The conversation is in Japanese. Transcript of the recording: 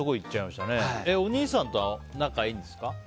お兄さんとは仲いいんですか？